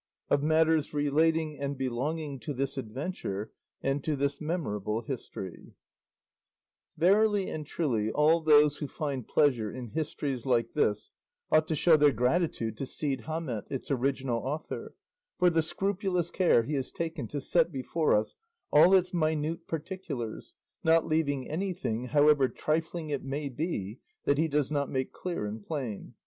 OF MATTERS RELATING AND BELONGING TO THIS ADVENTURE AND TO THIS MEMORABLE HISTORY Verily and truly all those who find pleasure in histories like this ought show their gratitude to Cide Hamete, its original author, for the scrupulous care he has taken to set before us all its minute particulars, not leaving anything, however trifling it may be, that he does not make clear and plain.